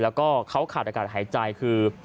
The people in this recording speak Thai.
แล้วก็เขาขาดอากาศหายใจคือ